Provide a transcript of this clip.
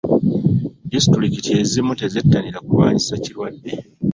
Disitulikiti ezimu tezettanira kulwanyisa kirwadde.